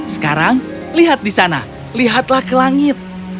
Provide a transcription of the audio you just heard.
sekarang lihat di sana lihatlah ke langit